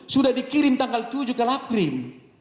sudah dikirim tanggal tujuh ke laprim